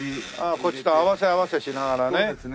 こっちと合わせ合わせしながらね。